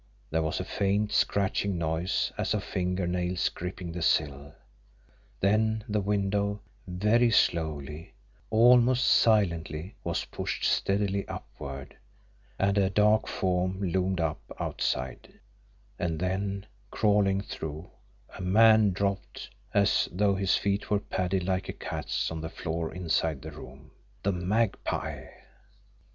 There was a faint scratching noise as of finger nails gripping the sill; then the window, very slowly, almost silently, was pushed steadily upward, and a dark form loomed up outside; and then, crawling through, a man dropped, as though his feet were padded like a cat's on the floor inside the room. The Magpie!